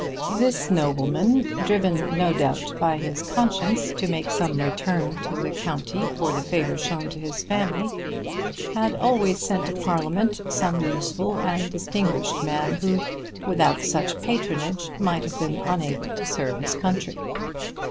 This nobleman, driven no doubt by his conscience to make some return to the country for the favour shown to his family, had always sent to Parliament some useful and distinguished man who without such patronage might have been unable to serve his country.